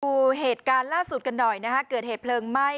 ดูเหตุการณ์ล่าสุดกันหน่อยนะฮะเกิดเหตุเพลิงไหม้